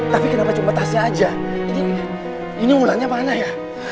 tapi kenapa cuma tasnya aja ini ulatnya mana ya